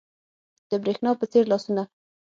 د برېښنا په څیر لاسونه